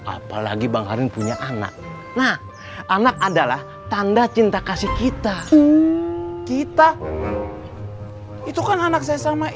apalagi bang harin punya anak nah anak adalah tanda cinta kasih kita kita itu kan anak saya sama